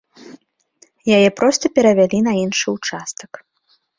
Яе проста перавялі на іншы ўчастак.